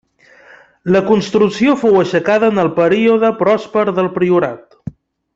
La construcció fou aixecada en el període pròsper del Priorat.